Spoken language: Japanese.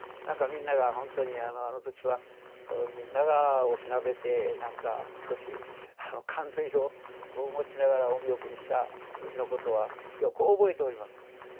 なんかみんながほんとにあの時はみんながおしなべてなんか少し感涙をもちながらお見送りした日のことはよく覚えております。